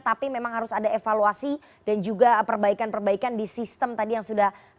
tapi memang harus ada evaluasi dan juga perbaikan perbaikan di sistem tadi yang sudah